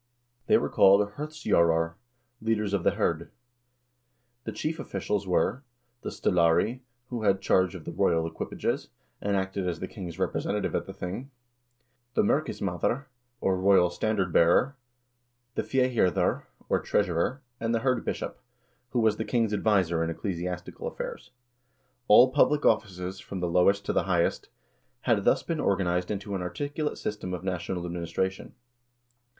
They were called hirdstjorar (leaders of the hird). The chief officials were: the stallari, who had charge of the royal equipages, and acted as the king's representative at the thing ; the merkismadr, or royal standard bearer, the fehirdir, or treasurer, and the hirdbishop, who was the king's adviser in ecclesiastical affairs. All public offices, from the lowest to the highest, had thus been or ganized into an articulate system of national administration.